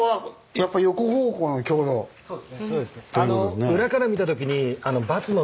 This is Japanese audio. そうですね。